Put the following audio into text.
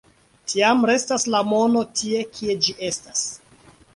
Tiam restas la mono tie, kie ĝi estas.